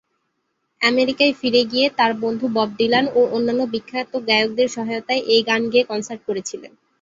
আমেরিকায় ফিরে গিয়ে তার বন্ধু বব ডিলান ও অন্যান্য বিখ্যাত গায়কদের সহায়তায় এই গান গেয়ে কনসার্ট করেছিলেন।